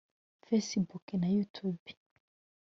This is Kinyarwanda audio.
Facebook na Youtube